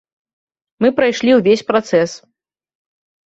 Мы прайшлі ўвесь працэс.